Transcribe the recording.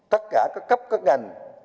tất cả các cấp các ngành